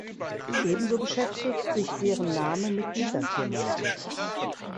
Ebenso beschäftigt sich deren Name mit dieser Thematik.